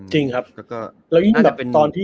จริงครับ